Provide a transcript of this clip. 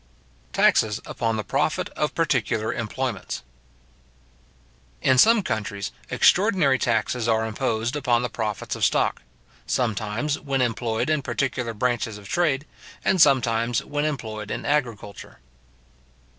Taxes upon the Profit of particular Employments. In some countries, extraordinary taxes are imposed upon the profits of stock; sometimes when employed in particular branches of trade, and sometimes when employed in agriculture.